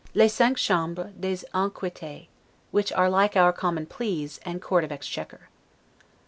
'Les cinq Chambres des Enquetes', which are like our Common Pleas, and Court of Exchequer.